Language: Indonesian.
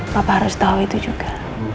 bapak harus tahu itu juga